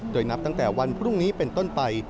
โดยนับตั้งแต่วันพรุ่งนี้เป็นต้นไป